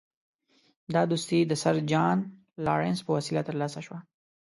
دا دوستي د سر جان لارنس په وسیله ترلاسه شوه.